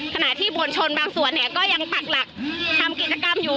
ขณะที่มวลชนบางส่วนเนี่ยก็ยังปักหลักทำกิจกรรมอยู่